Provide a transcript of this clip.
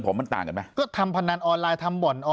ปากกับภาคภูมิ